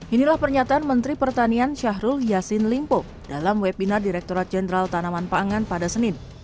inilah pernyataan menteri pertanian syahrul yassin limpo dalam webinar direkturat jenderal tanaman pangan pada senin